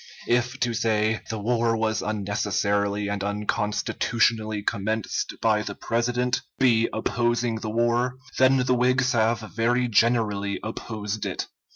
If to say "the war was unnecessarily and unconstitutionally commenced by the President" be opposing the war, then the Whigs have very generally opposed it.